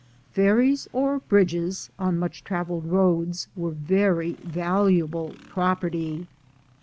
Ferries or bridges, on much traveled roads, were very valuable property.